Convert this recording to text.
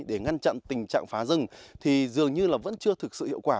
để ngăn chặn tình trạng phá rừng thì dường như là vẫn chưa thực sự hiệu quả